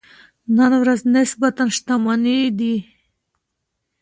نن ورځ نسبتاً شتمنې دي.